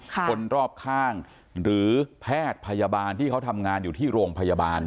คนรอบข้างหรือแพทย์พยาบาลที่เขาทำงานอยู่ที่โรงพยาบาล